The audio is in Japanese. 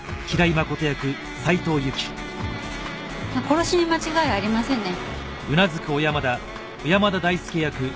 殺しに間違いありませんね。